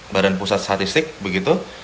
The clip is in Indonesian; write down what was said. badan pusat statistik begitu